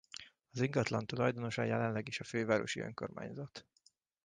Az ingatlan tulajdonosa jelenleg is a Fővárosi Önkormányzat.